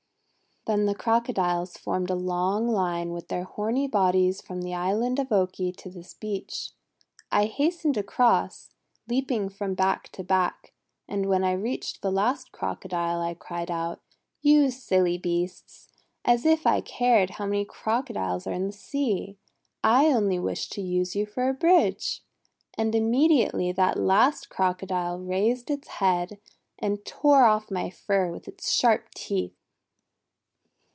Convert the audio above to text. "Then the Crocodiles formed a long line with their horny bodies from the Island of Oki to this beach. I hastened across, leaping from back to back; and when I reached the last Crocodile, I cried out: :You silly beasts! As if I cared how many Crocodiles are in the sea! I only wished to use you for a bridge!' And immediately that last Crocodile raised its head, and tore off my fur with its sharp teeth."